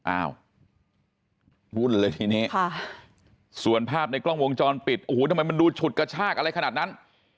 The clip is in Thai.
อ้าววุ่นเลยทีนี้ส่วนภาพในกล้องวงจรปิดโอ้โหทำไมมันดูฉุดกระชากอะไรขนาดนั้น